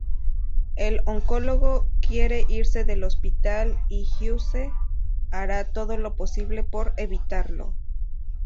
El oncólogo quiere irse del hospital y House hará todo lo posible por evitarlo.